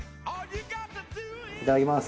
いただきます。